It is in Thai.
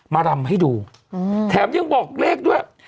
รำให้ดูแถมยังบอกเลขด้วย